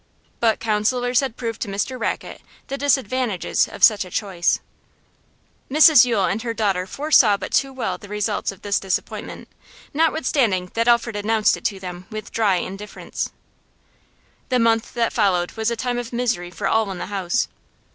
But counsellors had proved to Mr Rackett the disadvantages of such a choice. Mrs Yule and her daughter foresaw but too well the results of this disappointment, notwithstanding that Alfred announced it to them with dry indifference. The month that followed was a time of misery for all in the house.